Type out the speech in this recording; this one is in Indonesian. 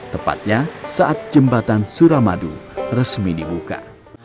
tepatnya saat jembatan suramadu resmi dibuka